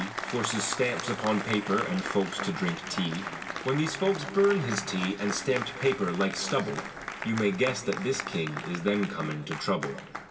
Forces stamps upon paper and folks to drink tea; When these folks burn his tea and stampt paper, like stubble, You may guess that this King is then coming to trouble.